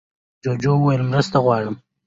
جوجو وویل مرسته غواړم.